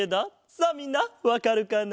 さあみんなわかるかな？